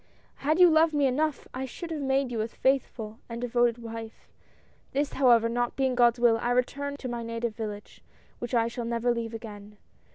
" Had you loved me enough I should have made you a faithful and devoted wife. This, however, not being God's will, I return to my native village, which I shall never leave again.